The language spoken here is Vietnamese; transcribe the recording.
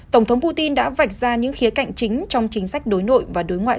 tổng thống putin đã vạch ra những khía cạnh chính trong chính sách đối nội và đối ngoại